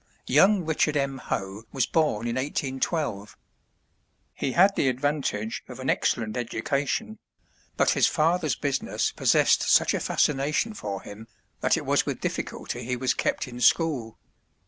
Young Richard M. Hoe was born in 1812. He had the advantage of an excellent education, but his father's business possessed such a fascination for him that it was with difficulty he was kept in school.